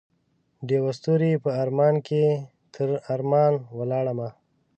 دیوه ستوری په ارمان کې تر ارمان ولاړمه